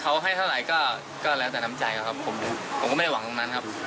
เขาให้เท่าไหร่ก็หลังจากเป็นน้ำใจนะครับผมก็ไม่หวังทำงานครับ